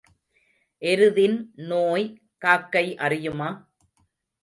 எருதின் நோய் காக்கை அறியுமா?